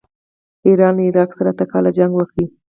ایران له عراق سره اته کاله جنګ وکړ.